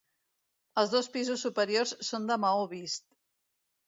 Els dos pisos superiors són de maó vist.